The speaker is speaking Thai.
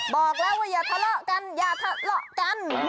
บอกแล้วว่าอย่าทะเลาะกันอย่าทะเลาะกัน